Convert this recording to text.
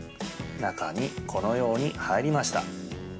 中に、このように入りました。